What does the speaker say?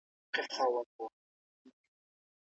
کېدای سي ورزش ستونزي ولري.